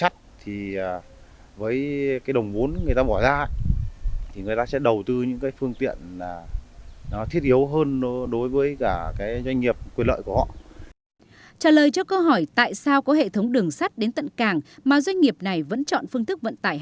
trả lời cho câu hỏi tại sao có hệ thống đường sắt đến tận cảng mà doanh nghiệp này vẫn chọn phương thức vận tải hành khách